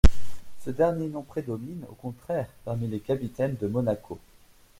Ce dernier nom prédomine, au contraire, parmi les capitaines de Monaco.